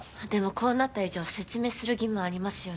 こうなった以上説明する義務ありますよね